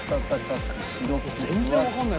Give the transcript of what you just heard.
全然わかんない。